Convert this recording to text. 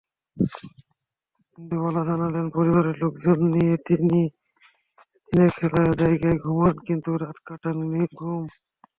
ইন্দুবালা জানালেন, পরিবারের লোকজন নিয়ে দিনে খোলা জায়গায় ঘুমান, কিন্তু রাত কাটান নির্ঘুম।